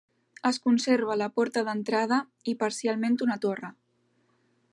Es conserva la porta d'entrada i parcialment una torre.